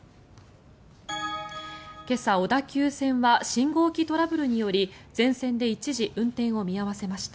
今朝、小田急線は信号機トラブルにより全線で一時運転を見合わせました。